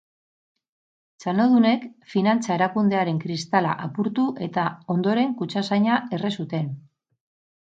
Txanodunek finantza erakundearen kristala apurtu eta ondoren kutxazaina erre zuten.